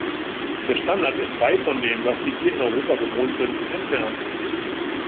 Der Standard ist weit von dem, was wir hier in Europa gewohnt sind, entfernt.